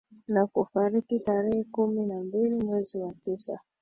Na kufariki tarehe kumi na mbili mwezi wa tisa